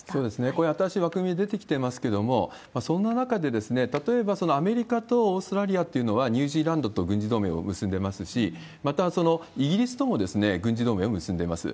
こういう新しい枠組み出てきてますけれども、そんな中で、例えばそのアメリカとオーストラリアっていうのは、ニュージーランドと軍事同盟を結んでますし、またイギリスとも軍事同盟を結んでいます。